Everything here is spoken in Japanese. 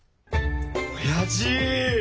おやじ！